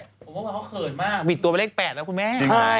ผมว่าเขาเขินมากบิดตัวไปเลข๘แล้วคุณแม่